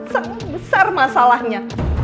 sangat besar masalahnya